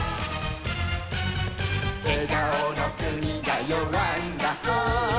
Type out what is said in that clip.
「えがおのくにだよワンダホー」